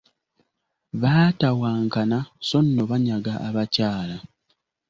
Baatawankana so nno banyaga abakyala.